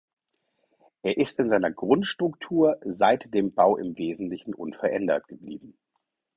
Es ist in seiner Grundstruktur seit dem Bau im Wesentlichen unverändert geblieben.